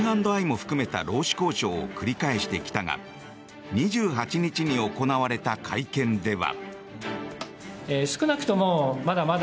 労働組合側はセブン＆アイも含めた労使交渉を繰り返してきたが２８日に行われた会見では。